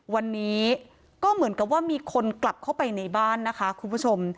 วันนี้ก็เหมือนกับว่ามีคนกลับเข้าไปในบ้านนะคะคุณผู้ชม